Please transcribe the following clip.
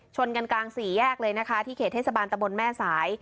ชนกันกลางสี่แยกเลยนะคะที่เขตเทศบาลตะบนแม่สาย